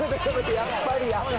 やっぱりや。